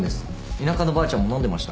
田舎のばあちゃんも飲んでました。